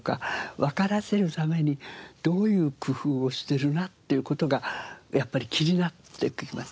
わからせるためにどういう工夫をしてるなっていう事がやっぱり気になってきます。